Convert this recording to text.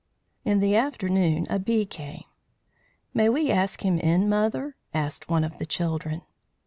In the afternoon a bee came. "May we ask him in, mother?" asked one of the children.